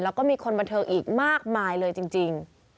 แล้วก็มีคนบันเทิงอีกมากมายเลยจริง